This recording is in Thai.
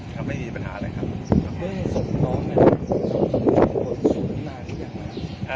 ครับไม่มีปัญหาอะไรครับครับเฮ้ยส่วนน้องน่ะส่วนสูงมากหรืออย่างนั้น